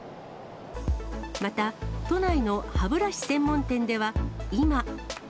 また都内の歯ブラシ専門店では、今。